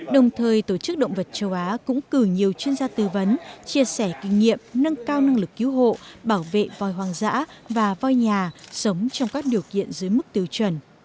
đồng thời tổ chức động vật châu á cũng cử nhiều chuyên gia tư vấn chia sẻ kinh nghiệm nâng cao năng lực cứu hộ bảo vệ voi hoang dã và voi nhà sống trong các điều kiện dưới mức tiêu chuẩn